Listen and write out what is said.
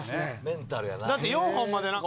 メンタルやな。